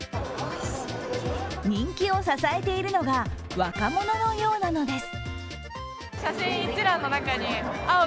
人気を支えているのが若者のようなのです。